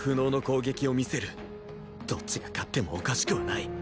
どっちが勝ってもおかしくはない